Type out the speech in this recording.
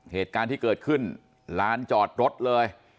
เหตุการณ์ที่เกิดขึ้นลานจอดรถเลย